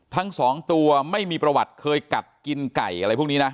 ทั้งสองตัวไม่มีประวัติเคยกัดกินไก่อะไรพวกนี้นะ